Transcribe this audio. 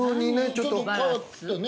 ちょっと変わったね。